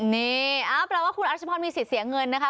นี่อ้าวแล้วว่าคุณอรัชมอนมีสิทธิ์เสียเงินนะคะ